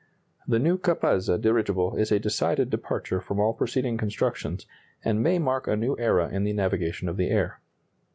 The new Capazza dirigible is a decided departure from all preceding constructions, and may mark a new era in the navigation of the air.